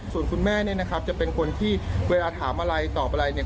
ส่วนคุณแม่เนี่ยนะครับจะเป็นคนที่เวลาถามอะไรตอบอะไรเนี่ย